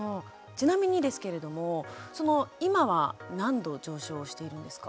ちなみにですけれども今は何度上昇しているんですか。